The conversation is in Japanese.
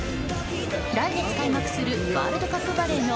来月開幕するワールドカップバレーの